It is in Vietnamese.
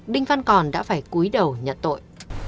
đinh văn còn đã phải cúi đầu nhận tội